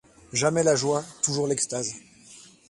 Jamais la joie, toujours l’extase.